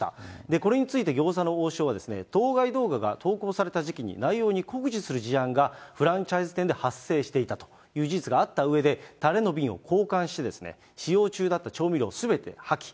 これについて、餃子の王将は、当該動画が投稿された時期に、内容に酷似する事案がフランチャイズ店で発生していたという事実があったうえで、たれの瓶を交換して使用中だった調味料をすべて破棄。